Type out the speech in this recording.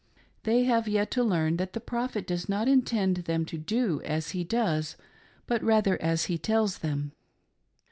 They have yet to learn that the Prophet does not intend them to do as he does but rather as he tells them.